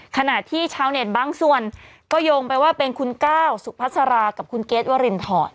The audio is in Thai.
ขณะที่ชาวเน็ตบางส่วนก็โยงไปว่าเป็นคุณก้าวสุพัสรากับคุณเกรทวรินทร